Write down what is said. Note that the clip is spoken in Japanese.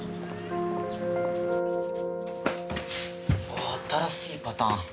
うわっ新しいパターン。